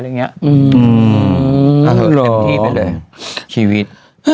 อื้มหรอนั่นเป็นที่ไปเลยชีวิต